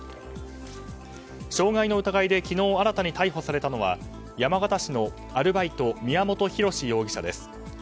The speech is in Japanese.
傷害の疑いで昨日新たに逮捕されたのは山形市のアルバイト宮本寛容疑者です。